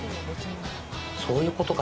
そういうことか！